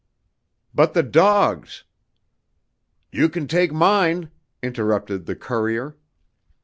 "But the dogs " "You can take mine," interrupted the courier.